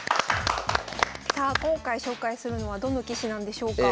さあ今回紹介するのはどの棋士なんでしょうか？